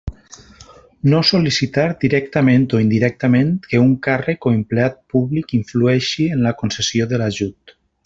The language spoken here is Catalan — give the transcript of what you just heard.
No sol·licitar, directament o indirectament, que un càrrec o empleat públic influeixi en la concessió de l'ajut.